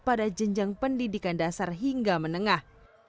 pada jenjang pendidikan dasar hingga menengah